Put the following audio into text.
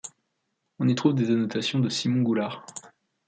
On y trouve des annotations de Simon Goulart.